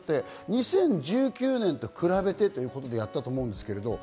２０１９年と比べてということでやったと思うんですけど。